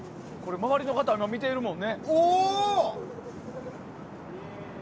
周りの方も見てるもんね。